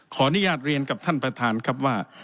ขออนุญาตเรียนกับท่านประธานครับว่า